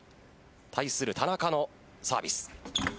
対する田中のサービス。